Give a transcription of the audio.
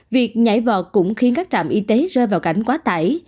việc nhảy vọt cũng khiến các trạm y tế rơi vào cảnh quá tải